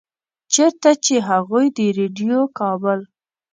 چرته چې هغوي د ريډيؤ کابل